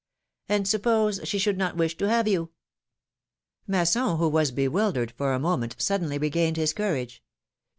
And supjiose she should not wish to have you ?" Masson, who was bewildered for a moment, suddenly regained his courage.